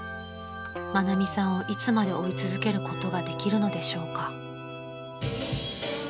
［愛美さんをいつまで追い続けることができるのでしょうか？］